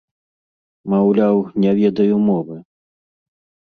Маўляў, не ведаю мовы.